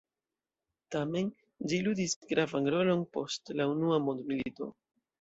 Tamen, ĝi ludis gravan rolon post la Unua Mondmilito.